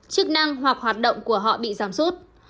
chức năng hoặc hoạt động của họ bị giảm sút